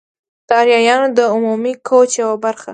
د آریایانو د عمومي کوچ یوه برخه وه.